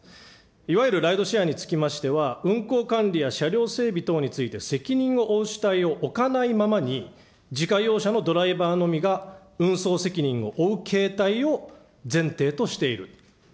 いわゆるライドシェアにつきましては、運行管理や車両整備について責任を負う主体を置かないままに、自家用車のドライバーのみが運送責任を負う形態を前提としている。